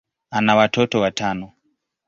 ana watoto watano.